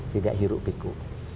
tidak hirup piku